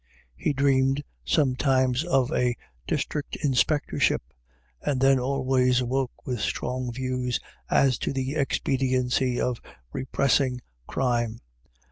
He dreamed sometimes of a District Inspectorship, and then always awoke with strong views as to the expediency of repressing crime.